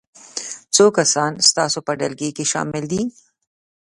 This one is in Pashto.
څو کسان ستاسو په ډلګي کې شامل دي؟